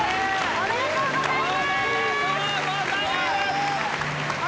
おめでとうございます。